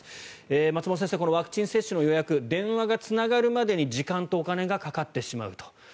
松本先生、ワクチン接種の予約電話がつながるまでに時間とお金がかかってしまうと。